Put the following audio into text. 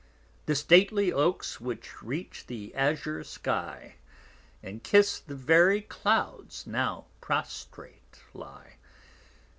30 The stately Oaks which reach'd the azure Sky, And kiss'd the very Clouds, now prostrate lie.